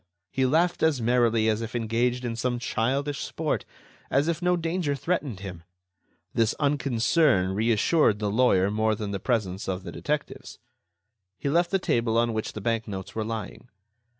He laughed as merrily as if engaged in some childish sport, as if no danger threatened him. This unconcern reassured the lawyer more than the presence of the detectives. He left the table on which the bank notes were lying.